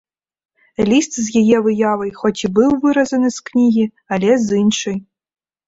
Ліст з яе выявай хоць і быў выразаны з кнігі, але з іншай.